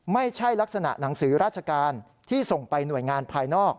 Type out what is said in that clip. ไม่ใช่ลักษณะหนังสือราชการที่ส่งไปหน่วยงานภายนอก